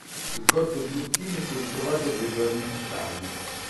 Il corpo di Lucchini fu ritrovato due giorni più tardi.